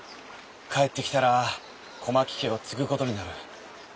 帰ってきたら小牧家を継ぐことになる。